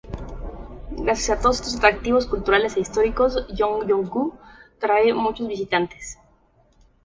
Gracias a todos estos atractivos culturales e históricos, Jongno-gu atrae muchos visitantes.